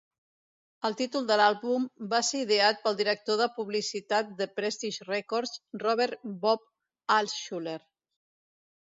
El títol de l'àlbum va ser ideat pel director de publicitat de Prestige Records, Robert "Bob" Altshuler.